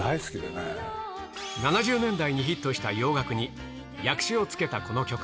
７０年代にヒットした洋楽に、訳詞をつけたこの曲。